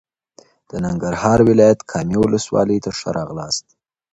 د ننګرهار ولایت کامي ولسوالۍ تا ښه راغلاست